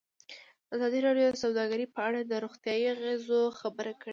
ازادي راډیو د سوداګري په اړه د روغتیایي اغېزو خبره کړې.